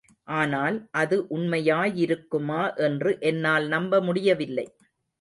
ஆனால், அது உண்மையாயிருக்குமா என்று என்னால் நம்ப முடியவில்லை.